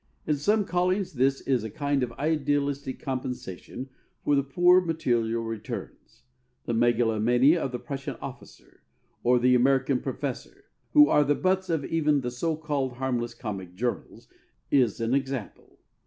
In some callings this is a kind of idealistic compensation for the poor material returns. The megalomania of the Prussian officer, or the American professor (who are the butts of even the so called harmless comic journals) is an example.